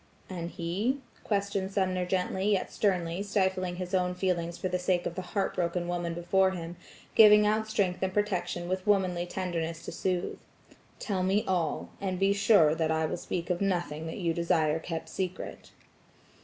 "And he?" questioned Sumner gently, yet sternly, stifling his own feelings for the sake of the heart broken woman before him, giving out strength and protection with womanly tenderness to soothe. "Tell me all, and be sure that I will speak of nothing that you desire kept secret."